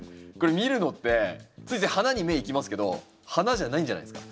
見るのってついつい花に目いきますけど花じゃないんじゃないですか？